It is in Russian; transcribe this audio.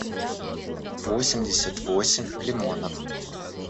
восемьдесят восемь лимонов